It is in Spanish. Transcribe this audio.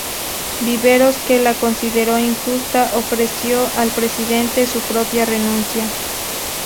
Viveros, que la consideró injusta, ofreció al Presidente su propia renuncia.